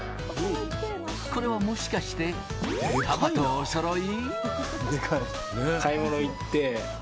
これはもしかして、パパとおそろい？